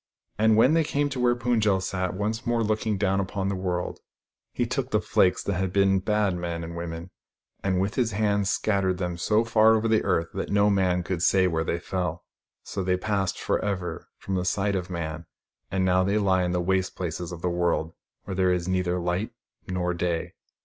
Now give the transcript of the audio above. And when they came to where Pund jel sat, once more looking down upon the world, he took the flakes that had been bad men and women, and with his hand scattered them so far over the earth that no man could say where they fell. So they passed for ever from the sight of man, and now they lie in the waste places of the world, where there is neither light nor day.